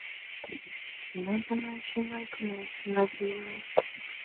但此后该财阀仍以三菱集团的形式得以延续。